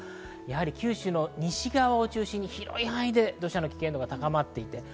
九州の西側を中心に、広い範囲で土砂の危険度が高まっています。